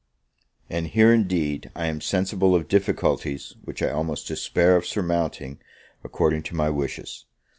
And here, indeed, I am sensible of difficulties which I almost despair of surmounting according to my wishes.